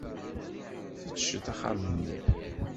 Fettcet axxam-nni.